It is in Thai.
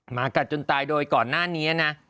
หมากัดจนตายโดยก่อนหน้านี้นะ